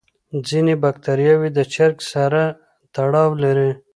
ځینې بکتریاوې د چرګ سره تړاو لري.